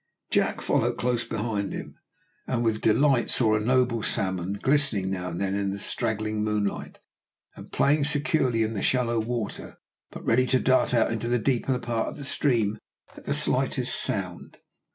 Jack followed close behind him, and with delight saw a noble salmon glistening now and then in the straggling moonlight, and playing securely in the shallow water, but ready to dart out into the deeper part of the stream at the slightest sound.